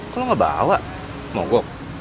kok lo gak bawa mau gua